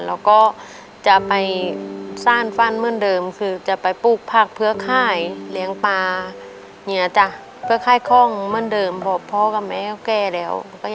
เราก็จะไปสร้างฟันเมื่อเดิมคือจะไปปลูกผักเพื่อค่ายเลี้ยงปลาเหนี้ยจะเพื่อละที่ข้องเมืองเดิมเพื่อ